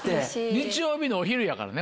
日曜日のお昼やからね